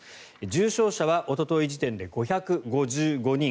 重症者はおととい時点で５５５人